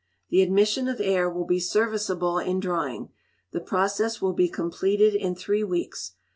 The admission of air will be serviceable in drying. The process will be completed in three weeks.